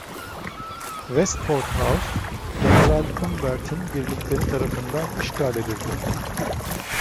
Westport House, General Humbert'in birlikleri tarafından işgal edildi.